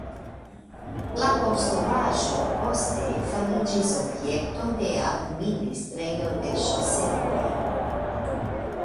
La konstruaĵo poste fariĝis objekto de administrejo de ŝoseoj.